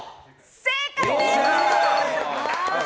正解です。